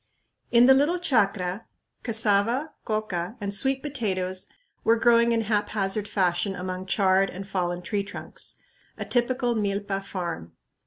In the little chacra, cassava, coca, and sweet potatoes were growing in haphazard fashion among charred and fallen tree trunks; a typical milpa farm.